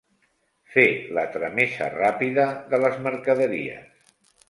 Fer la tramesa ràpida de les mercaderies.